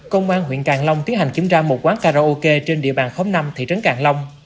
công an huyện càng long tiến hành kiểm tra một quán karaoke trên địa bàn khóm năm thị trấn càng long